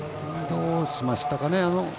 どうしましたかね。